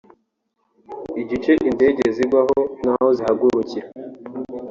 Igice indege zigwaho n’aho zihagurukira (Runway)